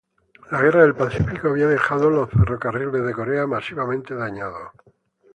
La guerra del Pacífico había dejado los ferrocarriles de Corea masivamente dañados.